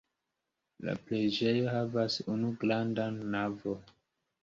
La preĝejo havas unu grandan navon.